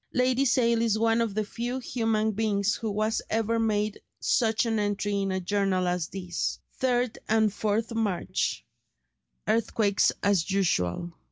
Lady Sale is one of the very few human beings who has ever made such an entry in a journal as this: "3d and 4th March. Earthquakes as usual."